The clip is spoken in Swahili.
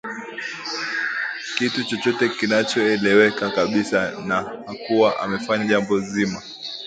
kitu chochote kinachoeleweka kabisa na hakuwa amefanya jambo zima